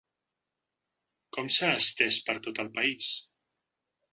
Com s’ha estès per tot el país?